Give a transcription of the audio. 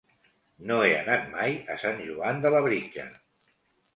No he anat mai a Sant Joan de Labritja.